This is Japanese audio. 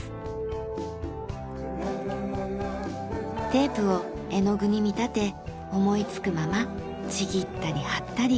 テープを絵の具に見立て思いつくままちぎったり貼ったり。